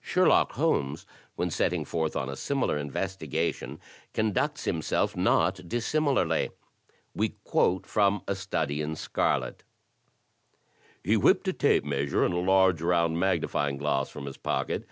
Sherlock Holmes when setting forth on a similar investi gation conducts himself not dissimilarly. We quote from "A Study in Scarlet:" He whipped a tape measure and a large, roimd magnifying glass from his pocket.